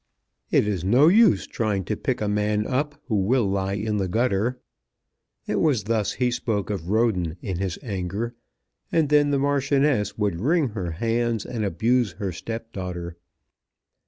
"It is no use trying to pick a man up who will lie in the gutter." It was thus he spoke of Roden in his anger; and then the Marchioness would wring her hands and abuse her stepdaughter.